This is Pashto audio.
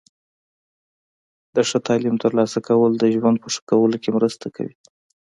د ښه تعلیم ترلاسه کول د ژوند په ښه کولو کې مرسته کوي.